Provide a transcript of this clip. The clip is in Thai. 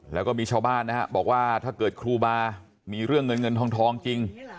แล้วก็มีชาวบ้านนะครับบอกว่าถ้าเกิดครูบามีเรื่องเงินเงินทองจริง